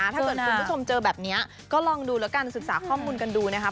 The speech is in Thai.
ถ้าเกิดคุณผู้ชมเจอแบบนี้ก็ลองดูแล้วกันศึกษาข้อมูลกันดูนะครับ